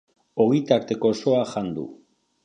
Ogitarteko osoa jan du.